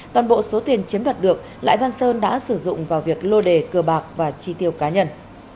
toàn bộ số tiền chiếm đoạt được lãi văn sơn đã sử dụng vào việc lô đề cờ bạc và chi tiêu cá nhân